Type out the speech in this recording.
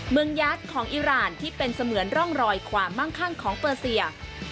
เมืองยัสของอิหร่านที่เป็นเสมือนร่องรอยว่ามั่งคั่งของเปอร์เซีย